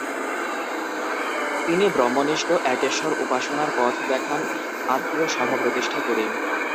তিনি ব্রহ্মনিষ্ঠ একেশ্বর উপাসনার পথ দেখান আত্মীয় সভা প্রতিষ্ঠা করে।